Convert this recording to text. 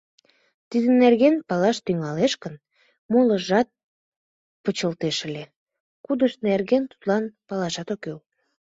Тидын нерген палаш тӱҥалеш гын, молыжат почылтеш ыле, кудышт нерген тудлан палашат ок кӱл.